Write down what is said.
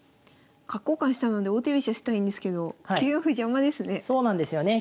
角交換したので王手飛車したいんですけど９四歩邪魔ですね。